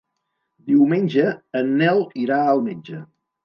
Diumenge en Nel irà al metge.